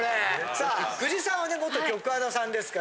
さあ久慈さんはね元局アナさんですから。